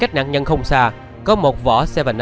cách nạn nhân không xa có một vỏ bảy up loại một năm lít bằng nhựa